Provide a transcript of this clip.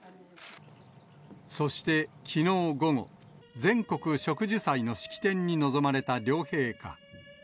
そしてきのう午後、全国植樹祭の式典に臨まれた両陛下。